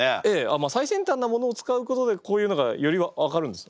まあ最先端なものを使うことでこういうのがより分かるんですよ。